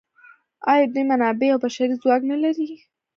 آیا دوی منابع او بشري ځواک نلري؟